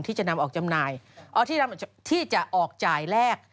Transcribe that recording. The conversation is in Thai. ที่จะนำออกจำหน่ายที่จะออกจ่ายแรก